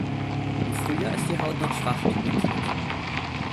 Im Frühjahr ist die Haut noch schwach pigmentiert.